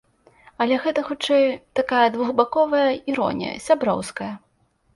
Але гэта, хутчэй, такая двухбаковая іронія, сяброўская.